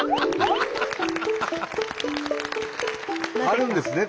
あるんですね